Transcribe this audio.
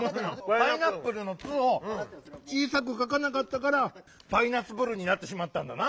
「パイナップル」の「ツ」をちいさくかかなかったから「パイナツプル」になってしまったんだな。